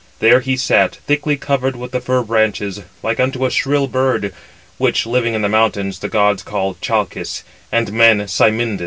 There he sat, thickly covered with the fir branches, like unto a shrill bird, which, living in the mountains, the gods call Chalcis, and men Cymindis.